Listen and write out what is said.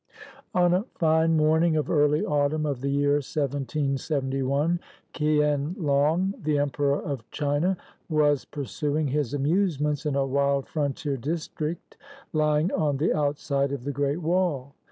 ] On a fine morning of early autumn of the year 1771, Kien Long, the Emperor of China, was pursuing his amusements in a wild frontier district lying on the out side of the Great Wall.